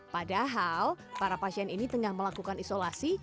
padahal para pasien ini tengah melakukan isolasi